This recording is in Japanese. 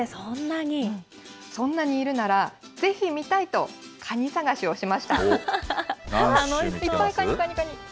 そんなにいるなら、ぜひ見たいと、カニ探しをしました。